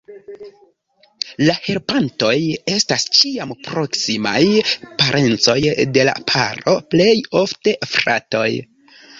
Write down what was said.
La helpantoj estas ĉiam proksimaj parencoj de la paro, plej ofte fratoj.